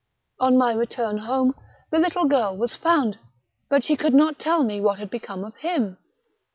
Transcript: On my return home, the little girl was found, but she could mot tell me what had become of him.